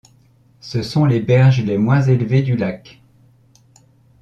Ce sont les berges les moins élevées du lac.